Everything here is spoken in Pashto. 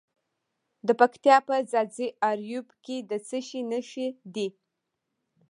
د پکتیا په ځاځي اریوب کې د څه شي نښې دي؟